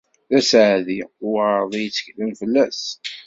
D aseɛdi uɛerḍi i yetteklen fell-as.